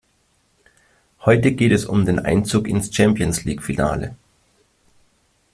Heute geht es um den Einzug ins Champions-League-Finale.